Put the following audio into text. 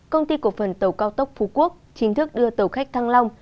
công ty cổ phần tàu cao tốc phú quốc chính thức đưa tàu khách thăng long